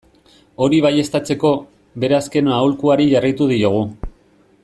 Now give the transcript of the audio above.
Hori baieztatzeko, bere azken aholkuari jarraitu diogu.